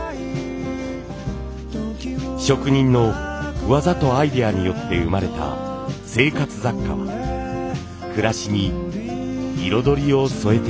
職人の技とアイデアによって生まれた生活雑貨は暮らしに彩りを添えていました。